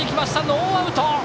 ノーアウト。